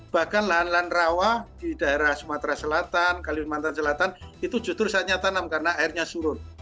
bahkan lahan lahan rawa di daerah sumatera selatan kalimantan selatan itu justru saatnya tanam karena airnya surut